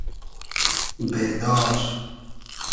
بېدار